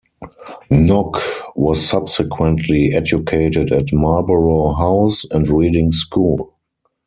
Nock was subsequently educated at Marlborough House, and Reading School.